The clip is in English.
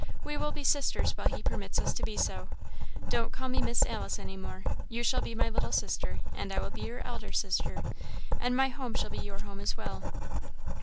We will be sisters while He permits us to be so. Don't call me Miss Alice any more. You shall be my little sister, and I will be your elder sister, and my home shall be your home as well."